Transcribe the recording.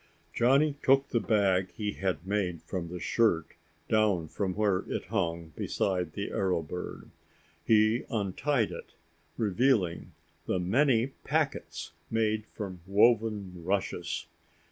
Johnny took the bag he had made from the shirt down from where it hung beside the arrow bird. He untied it, revealing the many packets made from woven rushes.